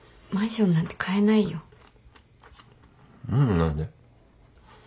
何で？